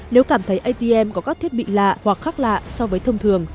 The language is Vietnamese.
nếu cảm thấy atm có các thiết bị lạ hoặc khác lạ so với thông thường